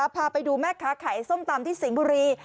พาไปดูแม่ค้าขายส้มตำที่สิงห์บุรี